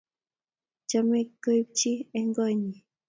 Chamei kocpi eng koinyi